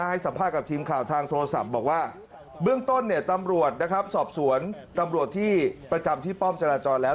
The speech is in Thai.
ให้สัมภาษณ์กับทีมข่าวทางโทรศัพท์บอกว่าเบื้องต้นเนี่ยตำรวจนะครับสอบสวนตำรวจที่ประจำที่ป้อมจราจรแล้ว